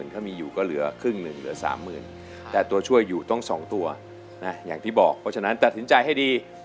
ถ้ามีอยู่ก็เหลือครึ่งหนึ่งเหลือ๓๐๐๐แต่ตัวช่วยอยู่ต้อง๒ตัวนะอย่างที่บอกเพราะฉะนั้นตัดสินใจให้ดี